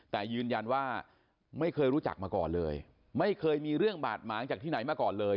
แต่ยืนยันว่าไม่เคยรู้จักมาก่อนเลยไม่เคยมีเรื่องบาดหมางจากที่ไหนมาก่อนเลย